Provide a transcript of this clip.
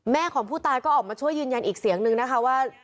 ของผู้ตายก็ออกมาช่วยยืนยันอีกเสียงนึงนะคะว่า